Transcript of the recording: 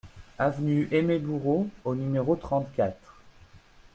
Avenue Aimé Bourreau au numéro trente-quatre